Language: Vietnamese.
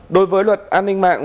đối với luật an ninh mạng